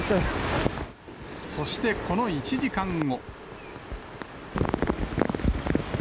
そしてこの１時間後。